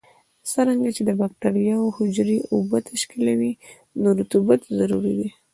څرنګه چې د بکټریاوو حجرې اوبه تشکیلوي نو رطوبت ضروري دی.